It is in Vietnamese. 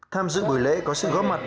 tham dự buổi lễ có sự góp mặt